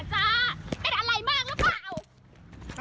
เป็นอะไรมากรึเปล่า